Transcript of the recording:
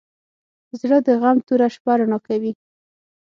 زړه د غم توره شپه رڼا کوي.